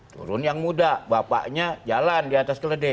turun yang muda bapaknya jalan diatas keledai